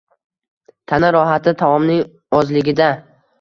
Tana rohati taomning ozligida.